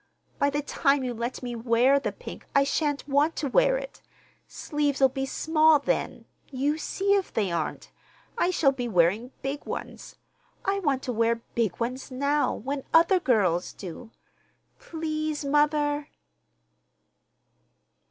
By the time you let me wear the pink I shan't want to wear it. Sleeves'll be small then—you see if they aren't—I shall be wearing big ones. I want to wear big ones now, when other girls do. Please, mother!"